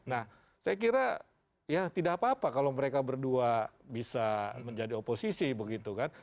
nah saya kira ya tidak apa apa kalau mereka berdua bisa menjadi oposisi begitu kan